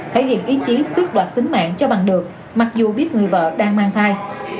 thể hiện ý chí quyết đoạt tính mạng cho bằng được mặc dù biết người vợ đang mang thai